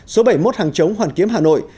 số bảy mươi một hàng chống hoàn kiếm hà nội